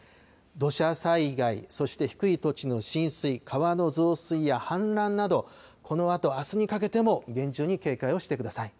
土砂災害、そして低い土地の浸水、川の増水や氾濫など、このあと、あすにかけても厳重に警戒をしてください。